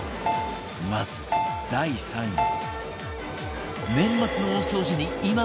まず第３位は